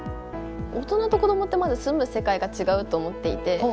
大人と子どもってまず住む世界が違うと思っていて。